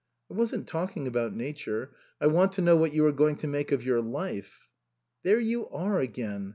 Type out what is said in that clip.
" I wasn't talking about nature. I want to know what you are going to make of your life." " There you are again.